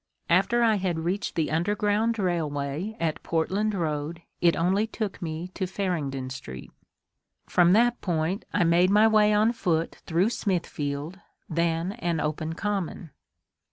After I had reached the underground railway at Portland Boad it only took me to Farringdon Street. From that point 42 MONCURE DANIEL CONWAY I made my way on foot through Smithfield, then an open ^' common."